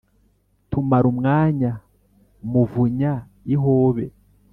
tumara umwanya muvunya ihobe